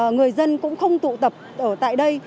người dân cũng không tụ tập ở tại đây